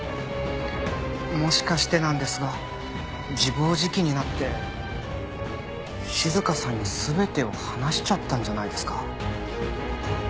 もしかしてなんですが自暴自棄になって静香さんに全てを話しちゃったんじゃないですか？